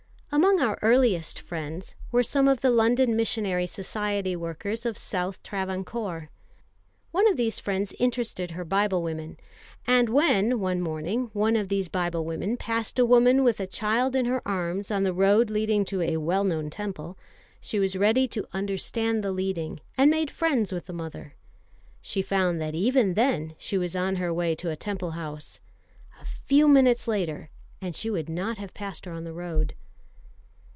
Among our earliest friends were some of the London Missionary Society workers of South Travancore. One of these friends interested her Biblewomen; and when, one morning, one of these Biblewomen passed a woman with a child in her arms on the road leading to a well known Temple, she was ready to understand the leading, and made friends with the mother. She found that even then she was on her way to a Temple house. A few minutes later and she would not have passed her on the road.